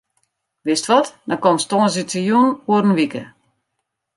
Wist wat, dan komst tongersdeitejûn oer in wike.